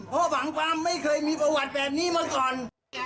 เพราะฝังความไม่เคยมีประวัติแบบนี้มาก่อน